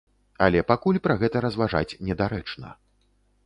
Але пакуль пра гэта разважаць недарэчна.